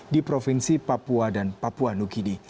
di provinsi papua dan papua nugini